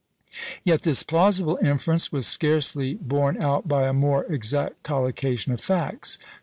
Yet this plausible inference was scarcely borne out by a more exact collocation of facts.